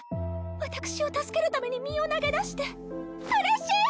私を助けるために身を投げ出してうれしい！